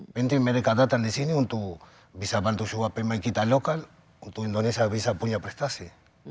penting mereka datang di sini untuk bisa bantu semua pemain kita lokal untuk indonesia bisa punya prestasi